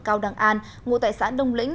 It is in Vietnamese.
cao đăng an ngụ tại xã đông lĩnh